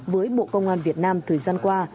với bộ công an việt nam thời gian qua